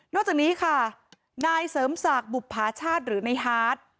นอกจากนี้ค่ะนายเสริมศาสตร์บุพชาติหรือในฮาร์ท